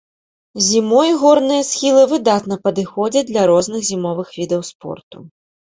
Зімой горныя схілы выдатна падыходзяць для розных зімовых відаў спорту.